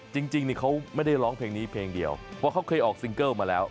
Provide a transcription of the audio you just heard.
จริงเขาไม่ได้ร้องเพลงนี้เพลงเดียวเพราะเขาเคยออกซิงเกิลมาแล้ว